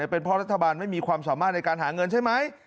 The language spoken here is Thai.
เป็นเพราะรัฐบาลไม่มีความสามารถในการหาเงินใช่ไหม